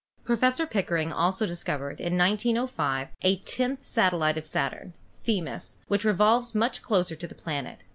Professor Pickering also discovered in 1905 a tenth sa tellite of Saturn, Themis, which revolves much closer to' the planet.